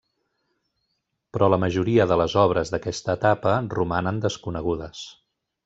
Però la majoria de les obres d'aquesta etapa romanen desconegudes.